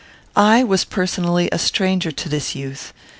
I was personally a stranger to this youth.